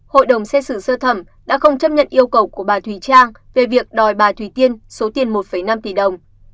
hội đồng xét xử sơ thẩm đã không chấp nhận yêu cầu của bà thùy trang về việc đòi bà thùy tiên số tiền một năm tỷ đồng